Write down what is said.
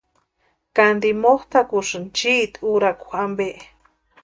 ¿Kánti motʼakusïnki chiiti úrakwa ampe?